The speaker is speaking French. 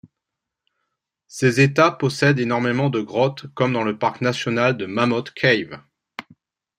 Ces états possèdent énormément de grottes comme dans le parc national de Mammoth Cave.